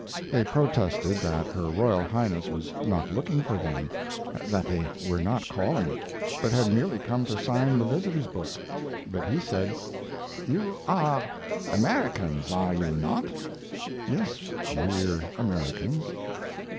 They protested that her Royal Highness was not looking for them, that they were not calling, but had merely come to sign the visitors' book, but he said: "You are Americans, are you not?" "Yes, we are Americans."